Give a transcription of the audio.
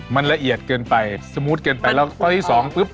มันละเอียดเกินไปสมูทเกินไปแล้วข้อที่สองปุ๊บ